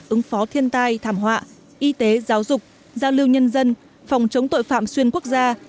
ứng phó thiên tai thảm họa y tế giáo dục giao lưu nhân dân phòng chống tội phạm xuyên quốc gia